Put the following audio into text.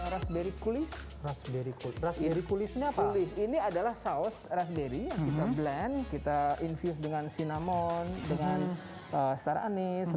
raspberry coulis ini adalah saus raspberry yang kita blend kita infuse dengan cinnamon dengan star anise